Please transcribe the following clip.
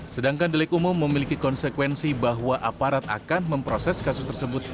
sedangkan delik umum memiliki konsekuensi bahwa aparat akan memproses kasus tersebut